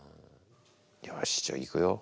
よしじゃあいくよ。